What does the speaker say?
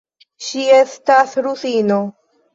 Ŝi estas rusino.